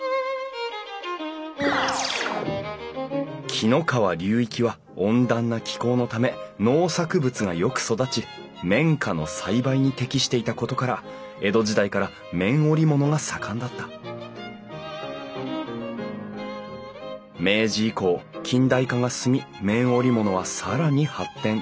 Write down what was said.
紀の川流域は温暖な気候のため農作物がよく育ち綿花の栽培に適していたことから江戸時代から綿織物が盛んだった明治以降近代化が進み綿織物は更に発展。